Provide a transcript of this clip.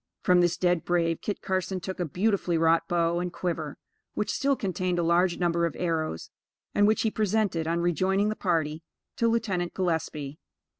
From this dead brave, Kit Carson took a beautifully wrought bow and quiver, which still contained a large number of arrows, and which he presented, on rejoining the party, to Lieutenant Gillespie.